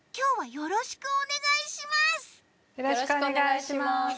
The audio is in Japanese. よろしくお願いします。